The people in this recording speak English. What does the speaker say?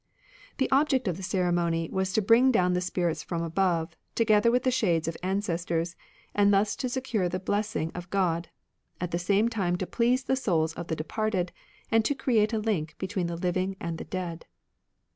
The object of the ceremony was to brmg down the spirits from above, together with the shades of ancestors, and thus to secure the blessing of God ; at the same time to please the souls of the departed, and to create a link between the living and the dead.